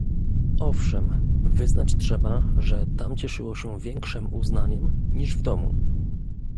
"Owszem, wyznać trzeba, że tam cieszyło się większem uznaniem, niż w domu."